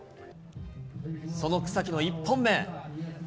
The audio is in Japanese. その草木の１本目。